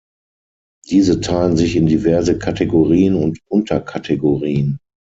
Diese teilen sich in diverse Kategorien und Unterkategorien.